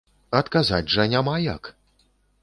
Адказаць жа няма як!